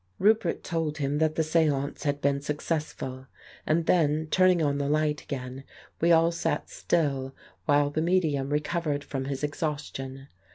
Roupert told him that the stance had been suc cessful, and then, turning on the light again, we all 162 The Case of Frank Hampden sat still while the medium recovered from his ex haustion.